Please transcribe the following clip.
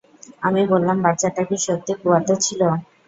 আমি বললাম, বাচ্চাটা কি সত্যি কুয়াতে ছিল?